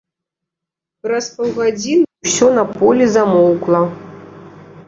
Праз паўгадзіны ўсё на полі замоўкла.